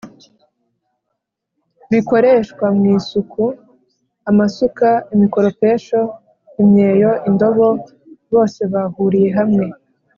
bikoreshwa mu isuku : amasuka, imikoropesho, imyeyo, indobo. bose bahuriye hamwe